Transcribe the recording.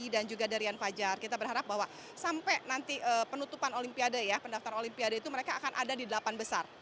dan juga dari rian fajar kita berharap bahwa sampai nanti penutupan olimpiade ya pendaftaran olimpiade itu mereka akan ada di delapan besar